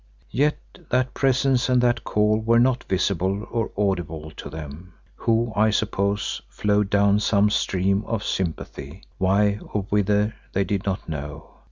Yet that presence and that call were not visible or audible to them, who, I suppose, flowed down some stream of sympathy, why or whither they did not know.